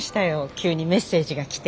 急にメッセージが来て。